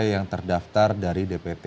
yang terdaftar dari dpt